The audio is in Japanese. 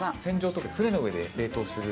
凍結船の上で冷凍する。